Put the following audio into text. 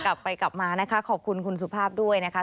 กลับมานะคะขอบคุณคุณสุภาพด้วยนะคะ